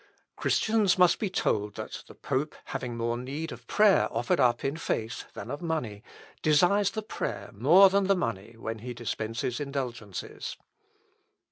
"Christians must be told that the pope having more need of prayer offered up in faith than of money, desires the prayer more than the money when he dispenses indulgences.